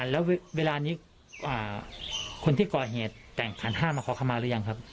แล้วเวลานี้คนที่ก่อเหตุแต่งขันห้ามาขอคำมาหรือยังครับ